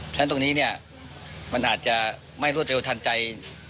ฉะนั้นตรงนี้เนี่ยมันอาจจะไม่รวดเร็วทันใจ